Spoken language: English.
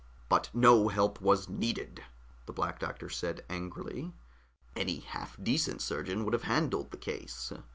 "But no help was needed," the Black Doctor said angrily. "Any half decent surgeon would have handled the case.